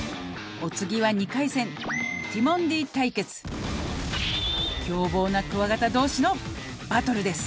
「お次は２回戦ティモンディ対決」「凶暴なクワガタ同士のバトルです」